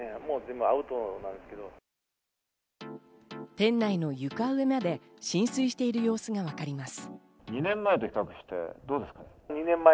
店内の床上まで浸水している様子が分かります。